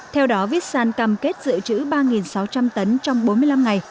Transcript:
theo đó viet san cam kết dự trữ ba sáu trăm linh tấn trong bốn mươi năm ngày